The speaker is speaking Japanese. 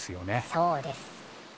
そうです。